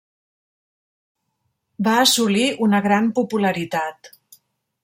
Va assolir una gran popularitat.